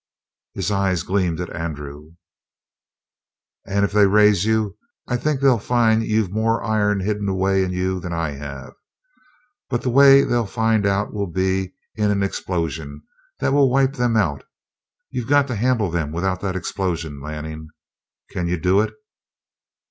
His eyes gleamed at Andrew. "And, if they raise you, I think they'll find you've more iron hidden away in you than I have. But the way they'll find it out will be in an explosion that will wipe them out. You've got to handle them without that explosion, Lanning. Can you do it?"